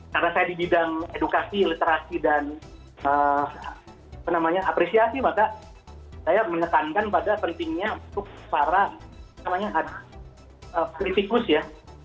karena saya di bidang edukasi literasi dan apresiasi maka saya menekankan pada pentingnya untuk para kritikus ya